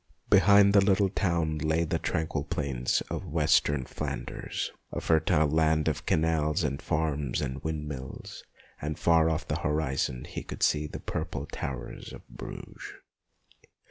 Behind the little town lay the tranquil plains of Western Flanders, a fertile land of canals and farms and windmills, and far 256 MONOLOGUES off on the horizon he could see the purple towers of Bruges.